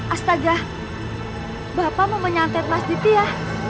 astaga bapak mau menyantet mas diti ya